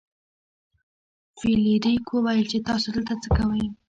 فلیریک وویل چې تاسو دلته څه کوئ.